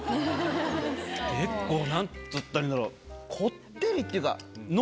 結構何つったらいいんだろうこってりっていうか。